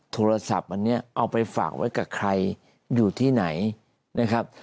โทรศัพท์อันนี้เอาไปฝากไว้กับใครอยู่ที่ไหนนะครับ